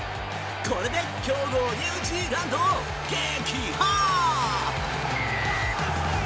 これで強豪ニュージーランドを撃破！